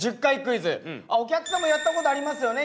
お客さんもやったことありますよね？